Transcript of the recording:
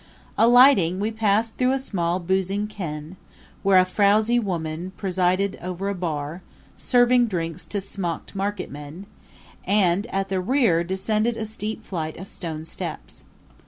Alighting we passed through a small boozing ken, where a frowzy woman presided over a bar, serving drinks to smocked marketmen, and at the rear descended a steep flight of stone steps.